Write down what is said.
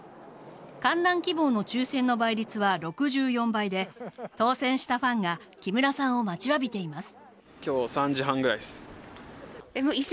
観覧希望の抽選の倍率は６４倍で当選したファンが木村さんを待ちわびています。